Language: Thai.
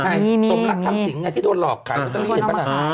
สมรักธรรมสิงห์ที่โดนหลอกขายโรตาลีเห็นไหม